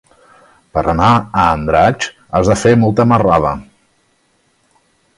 Per anar a Andratx has de fer molta marrada.